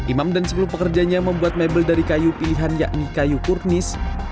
imam dan sepuluh pekerjanya membuat mebel dari kayu pilihan yakni kayu kurnis